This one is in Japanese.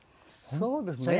そうですね。